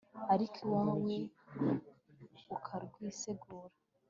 ariko iwawe ukarwisegura